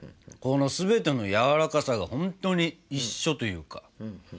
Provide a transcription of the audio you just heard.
この全てのやわらかさが本当に一緒というか。